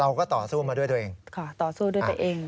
เราก็ต่อสู้มาด้วยตัวเอง